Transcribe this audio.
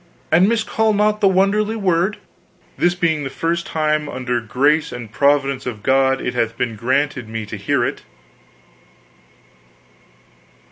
an miscall not the wonderly word, this being the first time under grace and providence of God it hath been granted me to hear it."